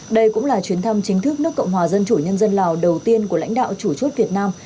đây cũng là chuyến thăm chính thức nước cộng hòa dân chủ nhân dân lào đầu tiên của lãnh đạo chủ chốt việt nam